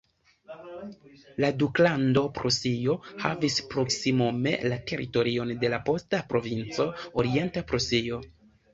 La duklando Prusio havis proksimume la teritorion de la posta provinco Orienta Prusio.